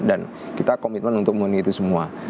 dan kita komitmen untuk menghentikan itu semua